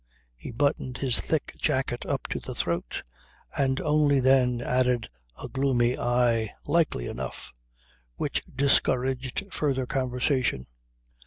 He buttoned his thick jacket up to the throat, and only then added a gloomy "Aye, likely enough," which discouraged further conversation.